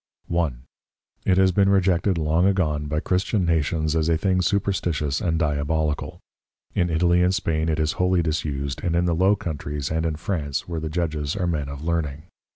1. It has been rejected long agone, by Christian Nations as a thing Superstitious and Diabolical: In Italy and Spain it is wholly disused; and in the Low Countries, and in France, where the Judges are Men of Learning.